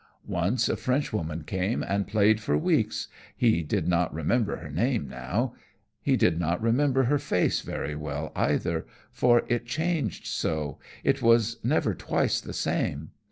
Once, a French woman came and played for weeks, he did not remember her name now. He did not remember her face very well either, for it changed so, it was never twice the same.